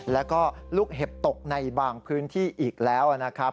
แล้วก็ลูกเห็บตกในบางพื้นที่อีกแล้วนะครับ